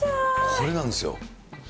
これなんですよ。